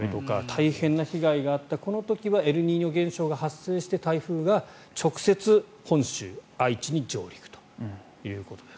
大変な被害があったこの時はエルニーニョ現象が発生して台風が直接、本州愛知に上陸ということです。